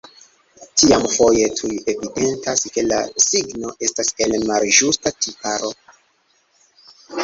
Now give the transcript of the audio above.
Tiam foje tuj evidentas, ke la signo estas el malĝusta tiparo.